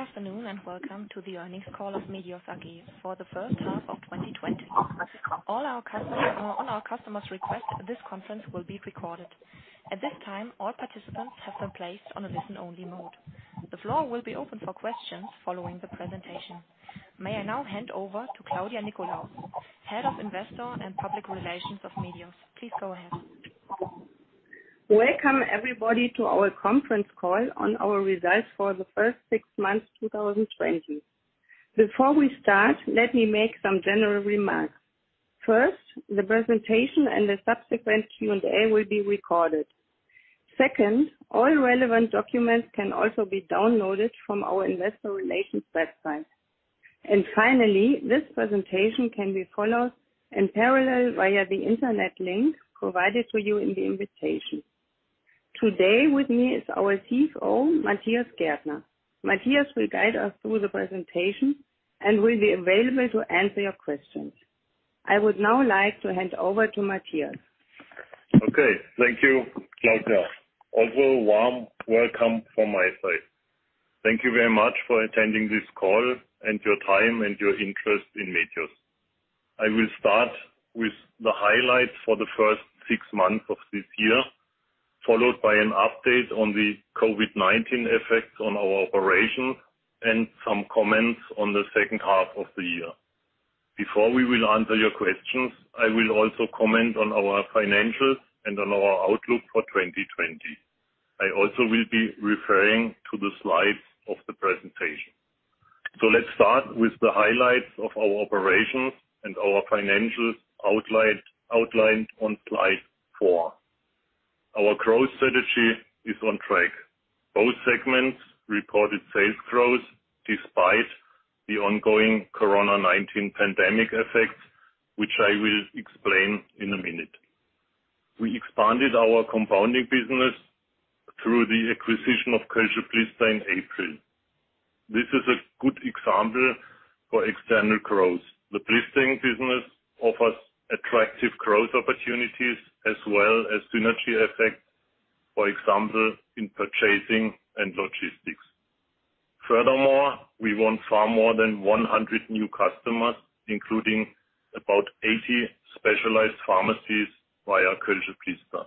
Good afternoon and welcome to the earnings call of Medios AG for the first half of 2020. On our customer's request, this conference will be recorded. At this time, all participants have been placed on a listen-only mode. The floor will be open for questions following the presentation. May I now hand over to Claudia Nickolaus, Head of Investor and Public Relations of Medios. Please go ahead. Welcome everybody to our conference call on our results for the first six months, 2020. Before we start, let me make some general remarks. First, the presentation and the subsequent Q&A will be recorded. Second, all relevant documents can also be downloaded from our investor relations website. Finally, this presentation can be followed in parallel via the internet link provided for you in the invitation. Today with me is our CFO, Matthias Gärtner. Matthias will guide us through the presentation and will be available to answer your questions. I would now like to hand over to Matthias. Okay. Thank you, Claudia. Warm welcome from my side. Thank you very much for attending this call, and your time and your interest in Medios. I will start with the highlights for the first six months of this year, followed by an update on the COVID-19 effects on our operation and some comments on the second half of the year. Before we will answer your questions, I will also comment on our financials and on our outlook for 2020. I also will be referring to the slides of the presentation. Let's start with the highlights of our operations and our financials outlined on slide four. Our growth strategy is on track. Both segments reported sales growth despite the ongoing COVID-19 pandemic effects, which I will explain in a minute. We expanded our compounding business through the acquisition of Kölsche Blister in April. This is a good example for external growth. The blistering business offers attractive growth opportunities as well as synergy effects, for example, in purchasing and logistics. Furthermore, we want far more than 100 new customers, including about 80 specialized pharmacies via Kölsche Blister.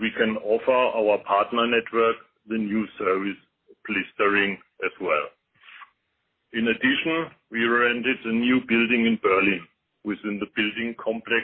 We can offer our partner network the new service blistering as well. In addition, we rented a new building in Berlin within the building complex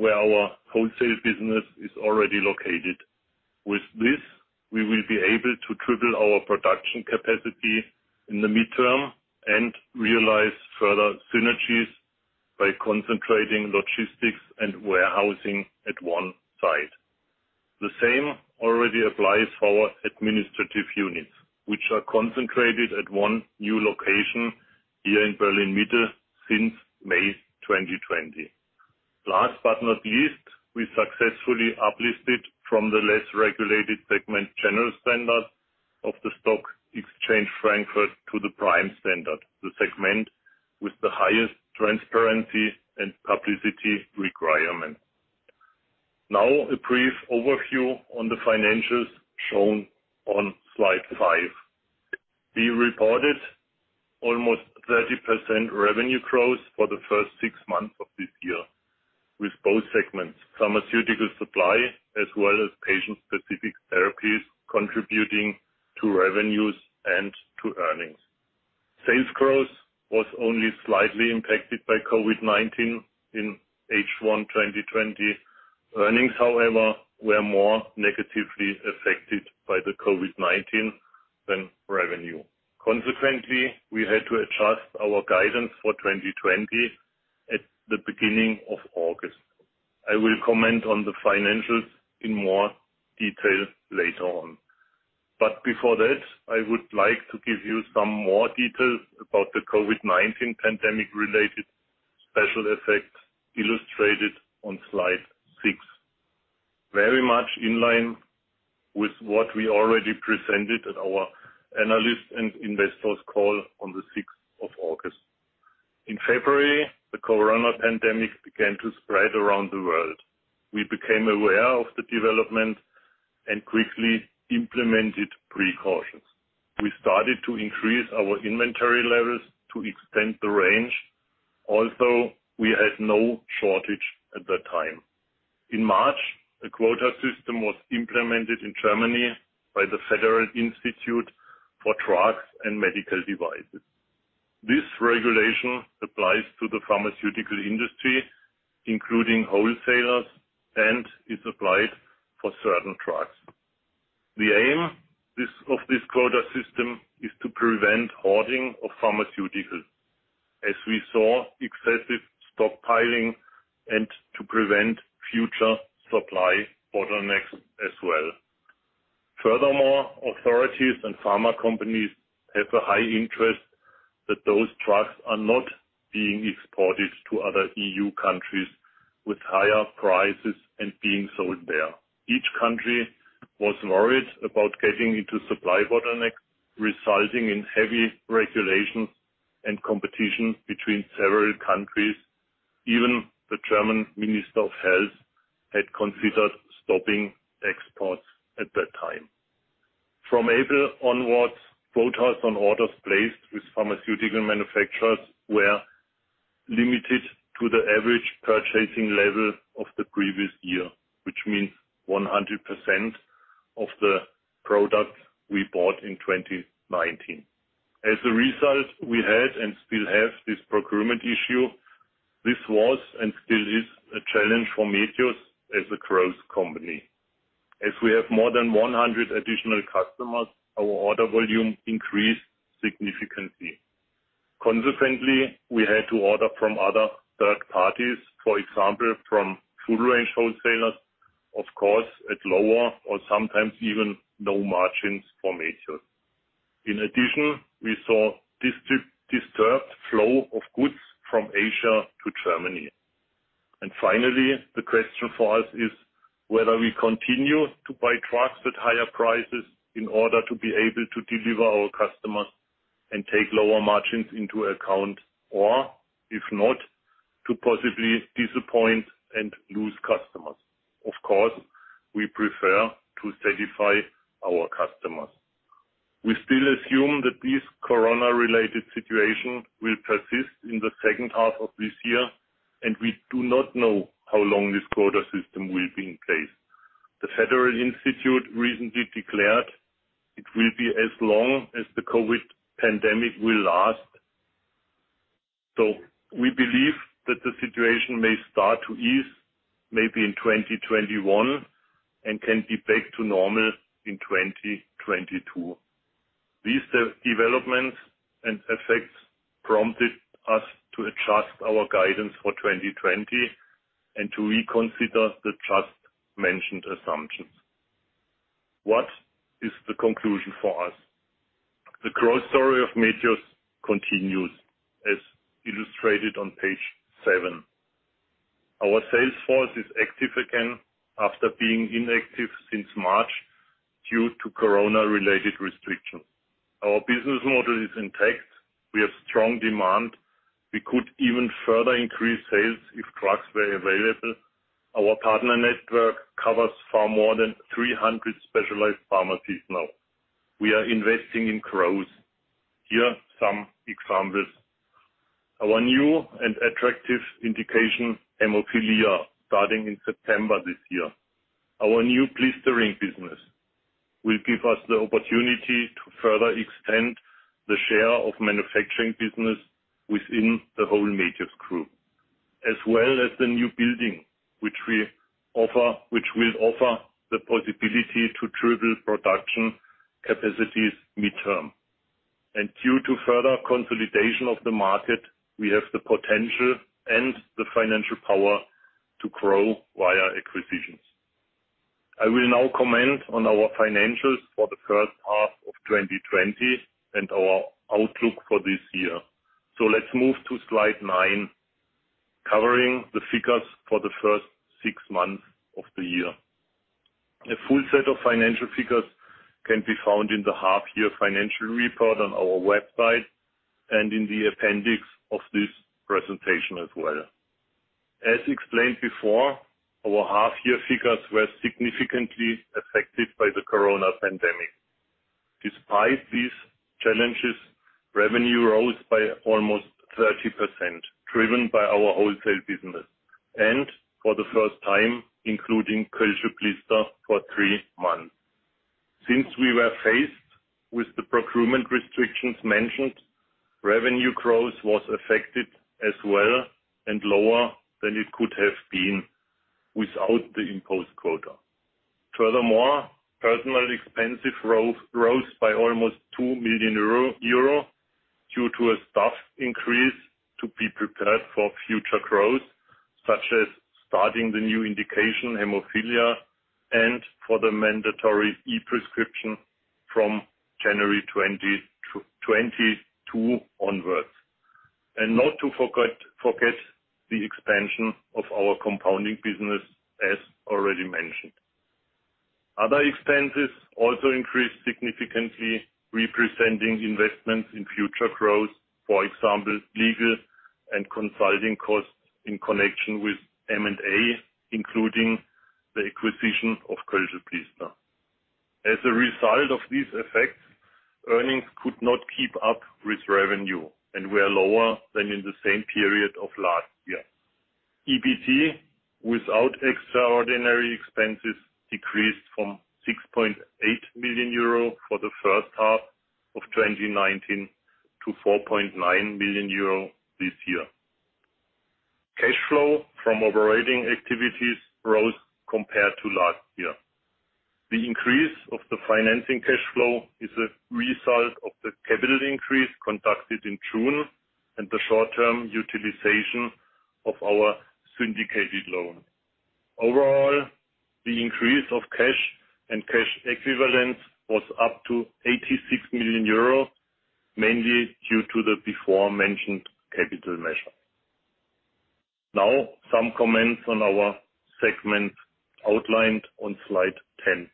where our wholesale business is already located. With this, we will be able to triple our production capacity in the midterm and realize further synergies by concentrating logistics and warehousing at one site. The same already applies for our administrative units, which are concentrated at one new location here in Berlin-Mitte since May 2020. Last but not least, we successfully uplisted from the less regulated segment, General Standard of the Frankfurt Stock Exchange to the Prime Standard, the segment with the highest transparency and publicity requirement. A brief overview on the financials shown on slide five. We reported almost 30% revenue growth for the first six months of this year, with both segments, pharmaceutical supply, as well as patient-specific therapies contributing to revenues and to earnings. Sales growth was only slightly impacted by COVID-19 in H1 2020. Earnings, however, were more negatively affected by the COVID-19 than revenue. We had to adjust our guidance for 2020 at the beginning of August. I will comment on the financials in more detail later on. Before that, I would like to give you some more details about the COVID-19 pandemic related special effects illustrated on slide six. Very much in line with what we already presented at our analyst and investors call on the 6th of August. In February, the Corona pandemic began to spread around the world. We became aware of the development and quickly implemented precautions. We started to increase our inventory levels to extend the range, although we had no shortage at that time. In March, a quota system was implemented in Germany by the Federal Institute for Drugs and Medical Devices. This regulation applies to the pharmaceutical industry, including wholesalers, and is applied for certain drugs. The aim of this quota system is to prevent hoarding of pharmaceuticals, as we saw excessive stockpiling and to prevent future supply bottlenecks as well. Furthermore, authorities and pharma companies have a high interest that those drugs are not being exported to other EU countries with higher prices and being sold there. Each country was worried about getting into supply bottleneck, resulting in heavy regulation and competition between several countries. Even the German Minister of Health had considered stopping exports at that time. From April onwards, quotas on orders placed with pharmaceutical manufacturers were limited to the average purchasing level of the previous year, which means 100% of the products we bought in 2019. As a result, we had and still have this procurement issue. This was and still is a challenge for Medios as a growth company. As we have more than 100 additional customers, our order volume increased significantly. Consequently, we had to order from other third parties, for example, from full range wholesalers, of course, at lower or sometimes even no margins for Medios. In addition, we saw disturbed flow of goods from Asia to Germany. Finally, the question for us is whether we continue to buy drugs at higher prices in order to be able to deliver our customers and take lower margins into account, or if not, to possibly disappoint and lose customers. Of course, we prefer to satisfy our customers. We still assume that this corona-related situation will persist in the second half of this year, and we do not know how long this quota system will be in place. The Federal Institute recently declared it will be as long as the COVID pandemic will last. We believe that the situation may start to ease maybe in 2021 and can be back to normal in 2022. These developments and effects prompted us to adjust our guidance for 2020 and to reconsider the just mentioned assumptions. What is the conclusion for us? The growth story of Medios continues, as illustrated on page seven. Our sales force is active again after being inactive since March due to corona-related restrictions. Our business model is intact. We have strong demand. We could even further increase sales if drugs were available. Our partner network covers far more than 300 specialized pharmacies now. We are investing in growth. Here are some examples. Our new and attractive indication, hemophilia, starting in September this year. Our new blistering business will give us the opportunity to further extend the share of manufacturing business within the whole Medios Group. As well as the new building, which will offer the possibility to triple production capacities midterm. Due to further consolidation of the market, we have the potential and the financial power to grow via acquisitions. I will now comment on our financials for the first half of 2020 and our outlook for this year. Let's move to slide nine, covering the figures for the first six months of the year. A full set of financial figures can be found in the half-year financial report on our website and in the appendix of this presentation as well. As explained before, our half-year figures were significantly affected by the corona pandemic. Despite these challenges, revenue rose by almost 30%, driven by our wholesale business. For the first time, including Kölsche Blister for three months. Since we were faced with the procurement restrictions mentioned, revenue growth was affected as well and lower than it could have been without the imposed quota. Furthermore, personnel expenses rose by almost 2 million euro due to a staff increase to be prepared for future growth, such as starting the new indication, hemophilia, and for the mandatory e-prescription from January 2022 onwards. Not to forget the expansion of our compounding business, as already mentioned. Other expenses also increased significantly, representing investments in future growth. For example, legal and consulting costs in connection with M&A, including the acquisition of Kölsche Blister. As a result of these effects, earnings could not keep up with revenue and were lower than in the same period of last year. EBT, without extraordinary expenses, decreased from 6.8 million euro for the first half of 2019 to 4.9 million euro this year. Cash flow from operating activities rose compared to last year. The increase of the financing cash flow is a result of the capital increase conducted in June and the short-term utilization of our syndicated loan. Overall, the increase of cash and cash equivalents was up to 86 million euro, mainly due to the before-mentioned capital measure. Now, some comments on our segments outlined on slide 10.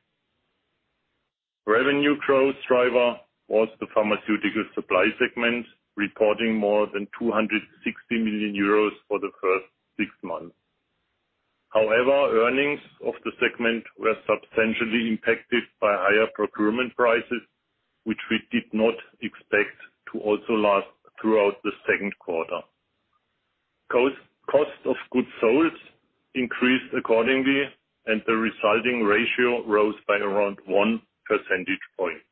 Revenue growth driver was the Pharmaceutical Supply segment, reporting more than 260 million euros for the first six months. However, earnings of the segment were substantially impacted by higher procurement prices, which we did not expect to also last throughout the second quarter. Cost of goods sold increased accordingly, and the resulting ratio rose by around one percentage point,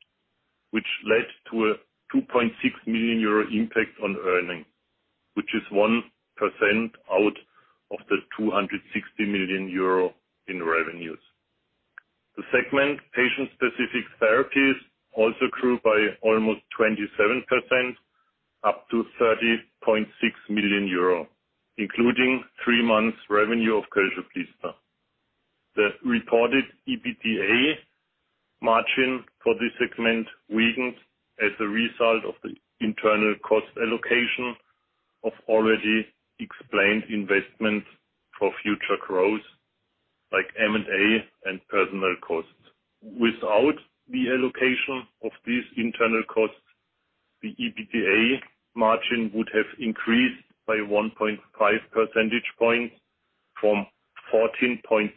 which led to a 2.6 million euro impact on earnings, which is 1% out of the 260 million euro in revenues. The segment patient-specific therapies also grew by almost 27%, up to 30.6 million euro, including three months revenue of Kölsche Blister. The reported EBITDA margin for this segment weakened as a result of the internal cost allocation of already explained investments for future growth, like M&A and personnel costs. Without the allocation of these internal costs, the EBITDA margin would have increased by 1.5 percentage points from 14.6%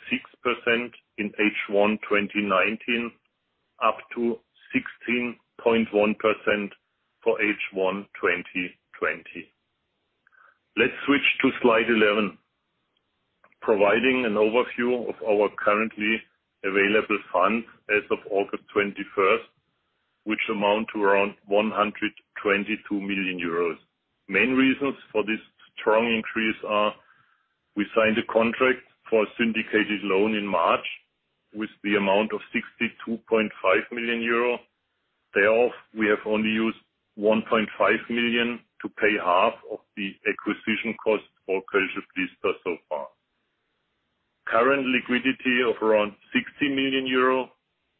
in H1 2019, up to 16.1% for H1 2020. Let's switch to slide 11, providing an overview of our currently available funds as of August 21st, which amount to around 122 million euros. Main reasons for this strong increase are we signed a contract for a syndicated loan in March with the amount of 62.5 million euro. Thereof, we have only used 1.5 million to pay half of the acquisition cost for Kölsche Blister so far. Current liquidity of around 60 million euro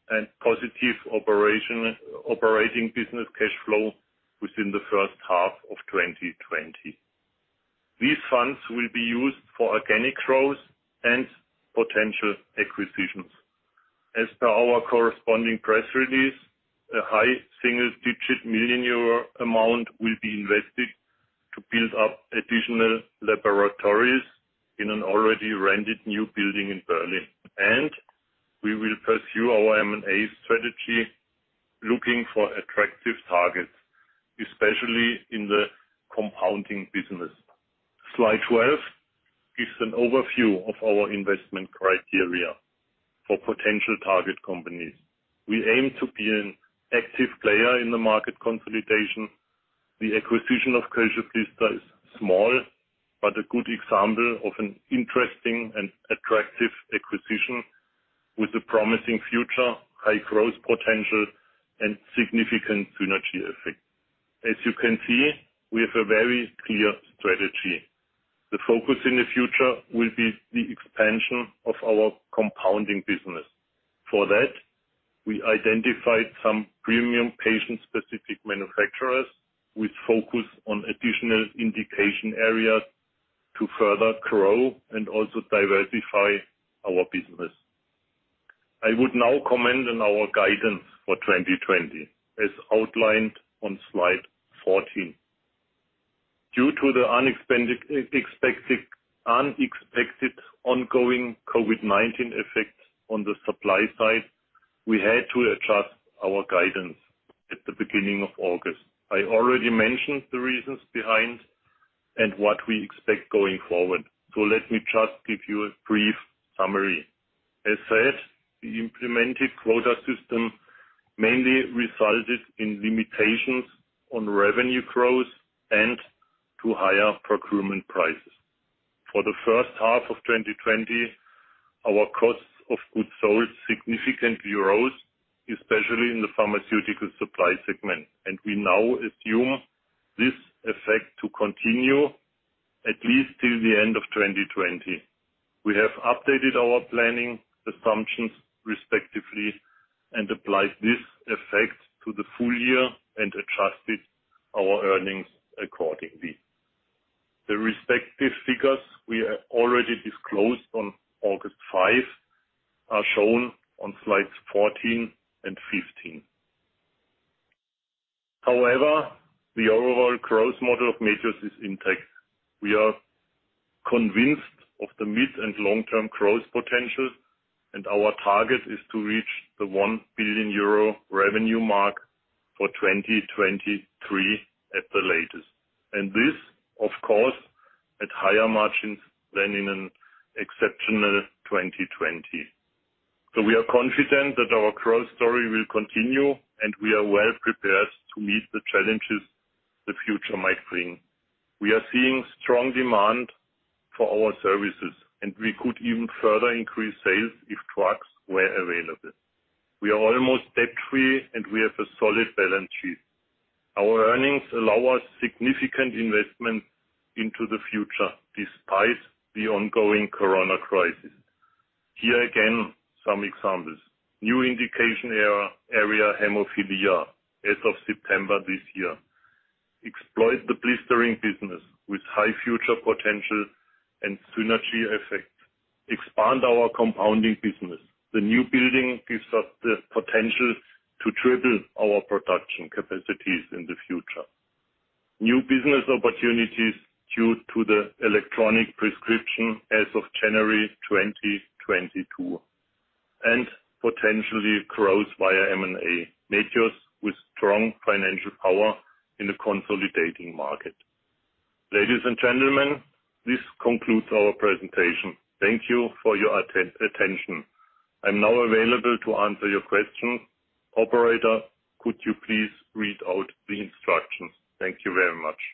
and positive operating business cash flow within the first half of 2020. These funds will be used for organic growth and potential acquisitions. As per our corresponding press release, a high single-digit million Euro amount will be invested to build up additional laboratories in an already rented new building in Berlin. We will pursue our M&A strategy looking for attractive targets, especially in the compounding business. Slide 12 is an overview of our investment criteria for potential target companies. We aim to be an active player in the market consolidation. The acquisition of Kölsche Blister is small, but a good example of an interesting and attractive acquisition with a promising future, high growth potential and significant synergy effect. As you can see, we have a very clear strategy. The focus in the future will be the expansion of our compounding business. For that, we identified some premium patient-specific manufacturers with focus on additional indication areas to further grow and also diversify our business. I would now comment on our guidance for 2020 as outlined on slide 14. Due to the unexpected ongoing COVID-19 effects on the supply side, we had to adjust our guidance at the beginning of August. I already mentioned the reasons behind and what we expect going forward. Let me just give you a brief summary. As said, the implemented quota system mainly resulted in limitations on revenue growth and to higher procurement prices. For the first half of 2020, our costs of goods sold significantly rose, especially in the pharmaceutical supply segment. We now assume this effect to continue at least till the end of 2020. We have updated our planning assumptions respectively and applied this effect to the full year and adjusted our earnings accordingly. The respective figures we already disclosed on August 5 are shown on slides 14 and 15. The overall growth model of Medios is intact. We are convinced of the mid- and long-term growth potential, and our target is to reach the 1 billion euro revenue mark for 2023 at the latest. This, of course, at higher margins than in an exceptional 2020. We are confident that our growth story will continue, and we are well prepared to meet the challenges the future might bring. We are seeing strong demand for our services, and we could even further increase sales if drugs were available. We are almost debt-free, and we have a solid balance sheet. Our earnings allow us significant investment into the future despite the ongoing Corona crisis. Here again, some examples. New indication area, hemophilia, as of September this year. Exploit the blistering business with high future potential and synergy effect. Expand our compounding business. The new building gives us the potential to triple our production capacities in the future. New business opportunities due to the electronic prescription as of January 2022, and potentially growth via M&A. Medios with strong financial power in a consolidating market. Ladies and gentlemen, this concludes our presentation. Thank you for your attention. I'm now available to answer your questions. Operator, could you please read out the instructions? Thank you very much.